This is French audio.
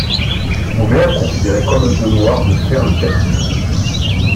Omer considérait comme un devoir de faire le quatrième.